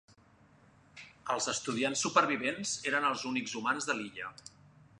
Els estudiants supervivents eren els únics humans de l'illa.